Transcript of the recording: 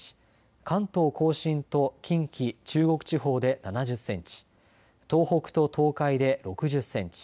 関東甲信と近畿、中国地方で７０センチ東北と東海で６０センチ